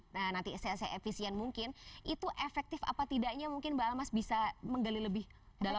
nah nanti se efisien mungkin itu efektif apa tidaknya mungkin mbak almas bisa menggali lebih dalam